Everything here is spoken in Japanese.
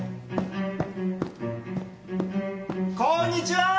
こんにちは！